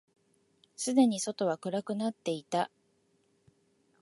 すでに外は暗くなっていた。